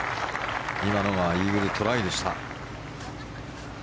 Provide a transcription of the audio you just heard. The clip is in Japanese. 今のがイーグルトライでした。